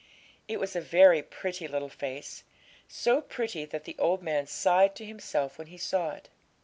It was a very pretty little face, so pretty that the old man sighed to himself when he saw it.